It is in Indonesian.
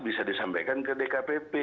bisa disampaikan ke dkpp